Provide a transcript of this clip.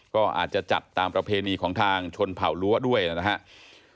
ก็อาจจะจัดตามประเพณีของทางชนเผ่าลั้วด้วยนะครับ